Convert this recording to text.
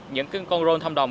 những con rôn thăm đồng